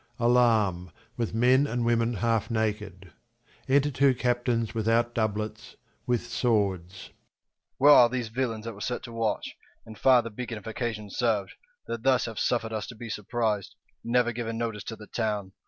Alarm, with men and women half naked : Enter two Captains 'without doublets, with swords* First C. Where are these villains that were set to watch, And fire the beacon, if occasion serv'd, That thus have sufFer'd us to be surprised, And never given notice to the town